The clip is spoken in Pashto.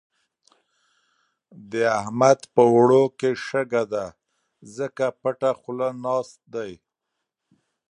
د احمد په اوړو کې شګه ده؛ ځکه پټه خوله ناست دی.